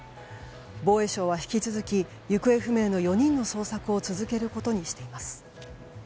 防衛省は、引き続き行方不明の４人の捜索を続けることにしています。